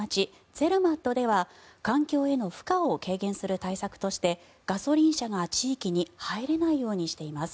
ツェルマットでは環境への負荷を軽減する対策としてガソリン車が地域に入れないようにしています。